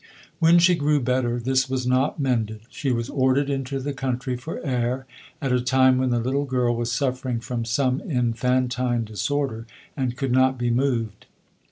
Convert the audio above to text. When she grew better this was not mended. She was ordered into the country for air, at a time when the little <nrl was suffering from some infantine disorder, and could not be moved.